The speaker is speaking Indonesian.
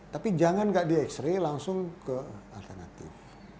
tapi jangan nggak di x ray langsung ke alternatif